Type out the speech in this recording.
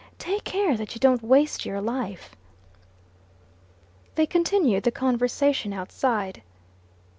Take care that you don't waste your life." They continued the conversation outside.